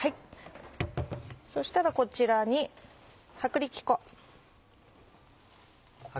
そしたらこちらに薄力粉。